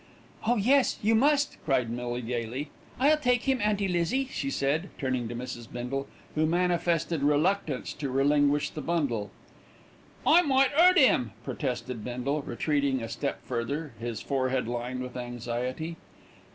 "Oh yes, you must!" cried Millie gaily. "I'll take him, Auntie Lizzie," she said, turning to Mrs. Bindle, who manifested reluctance to relinquish the bundle. "I might 'urt 'im," protested Bindle, retreating a step further, his forehead lined with anxiety.